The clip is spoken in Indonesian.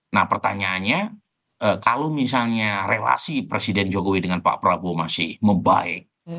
nah pertanyaannya kalau misalnya relasi presiden jokowi dengan pak prabowo masih membaik